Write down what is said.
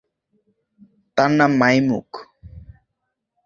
তার নাম ‘মাইমুখ’।